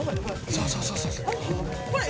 そうそうそうそうそう！